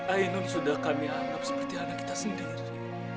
ainun sudah kami anggap seperti anak kita sendiri